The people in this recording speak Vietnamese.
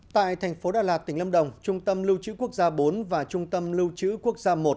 tại thành phố đà lạt tỉnh lâm đồng trung tâm lưu trữ quốc gia bốn và trung tâm lưu trữ quốc gia một